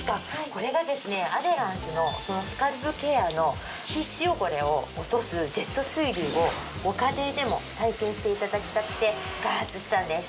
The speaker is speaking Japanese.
これがですねアデランスのスカルプケアの皮脂汚れを落とすジェット水流をご家庭でも体験していただきたくて開発したんです。